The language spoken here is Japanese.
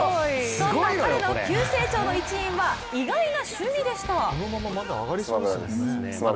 そんな彼の急成長の一因は意外な趣味でした。